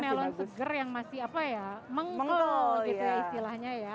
jadi melon segar yang masih apa ya menggel gitu istilahnya ya